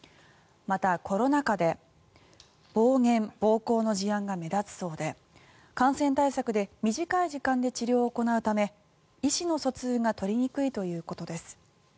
また、コロナ禍で暴言・暴行の事案が目立つそうで感染対策で短い時間で治療を行うため意思の疎通が取りにくいということです。